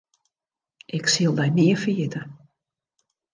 Ik sil dy nea ferjitte.